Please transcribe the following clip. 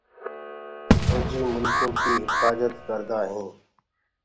ڦوجي ريآستي ڪيٚ هڦآجد ڪردآ هينٚ۔